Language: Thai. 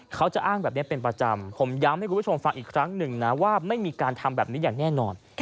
เขาจะอ้างแบบนี้เป็นประจำผมย้ำให้คุณผู้ชมฟังอีกครั้งหนึ่งนะว่าไม่มีการทำแบบนี้อย่างแน่นอน